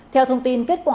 theo thông tin kết quả